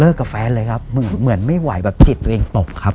กับแฟนเลยครับเหมือนไม่ไหวแบบจิตตัวเองตกครับ